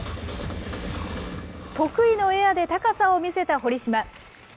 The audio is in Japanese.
得意のエアで高さを見せた堀島。